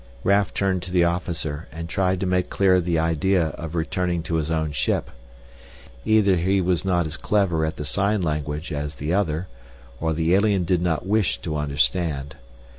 Raf turned to the officer and tried to make clear the idea of returning to his own ship. Either he was not as clever at the sign language as the other, or the alien did not wish to understand.